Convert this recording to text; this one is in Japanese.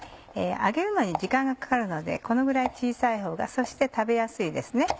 揚げるのに時間がかかるのでこのぐらい小さいほうがそして食べやすいですね。